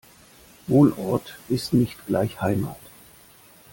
Wohnort ist nicht gleich Heimat.